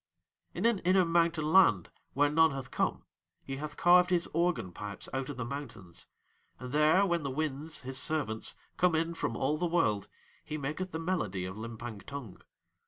In an inner mountain land where none hath come he hath carved his organ pipes out of the mountains, and there when the winds, his servants, come in from all the world he maketh the melody of Limpang Tung.